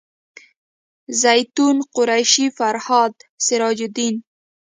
زیتونه قریشي فرهاد سراج الدین